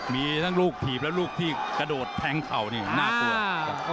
มีทั้งลูกผีบกะโดดแทงเขานี่น่ากลัว